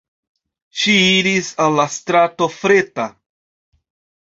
Ŝi iris al la strato Freta.